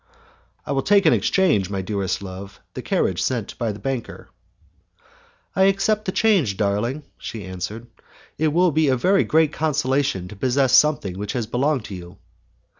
"I will take in exchange, my dearest love, the carriage sent by the banker." "I accept the change, darling," she answered, "it will be a great consolation to possess something which has belonged to you."